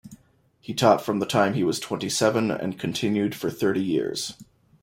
He taught from the time he was twenty-seven and continued for thirty years.